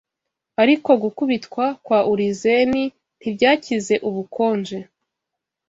Ariko gukubitwa kwa Urizeni ntibyakize Ubukonje